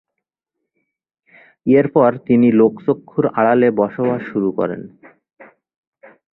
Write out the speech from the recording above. এরপর তিনি লোকচক্ষুর আড়ালে বসবাস শুরু করেন।